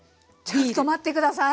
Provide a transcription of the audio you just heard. ちょっと待って下さい。